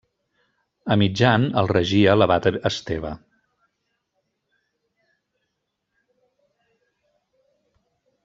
A mitjan el regia l'abat Esteve.